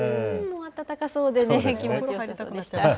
温かそうでね、気持ちよさそうでしたが。